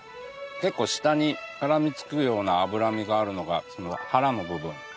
結構舌に絡みつくような脂身があるのが腹の部分。